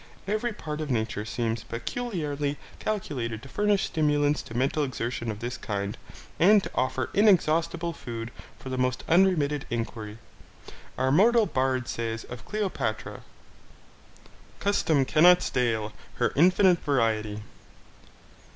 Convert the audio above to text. Every part of nature seems peculiarly calculated to furnish stimulants to mental exertion of this kind, and to offer inexhaustible food for the most unremitted inquiry. Our mortal Bard says of Cleopatra: Custom cannot stale Her infinite variety.